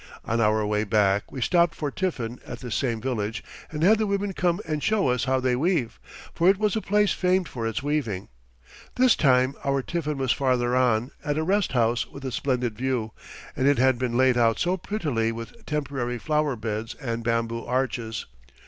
On our way back we stopped for tiffin at this same village and had the women come and show us how they weave, for it was a place famed for its weaving. This time our tiffin was farther on, at a rest house with a splendid view, and it had been laid out so prettily with temporary flower beds and bamboo arches.